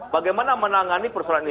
bagaimana menangani persoalan ini